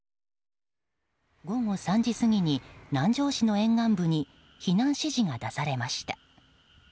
午後３時過ぎに南城市の沿岸部に避難指示が出されました。